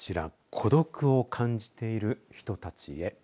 孤独を感じている人たちへ。